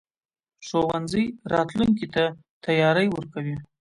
ښوونځی راتلونکي ته تیاری ورکوي.